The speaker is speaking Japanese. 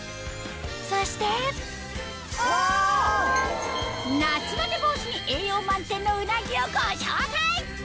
そして夏バテ防止に栄養満点のうなぎをご紹介！